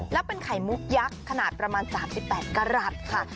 แล้วเป็นไข่มุกยักษ์ขนาดประมาณ๓๘กรัฐค่ะ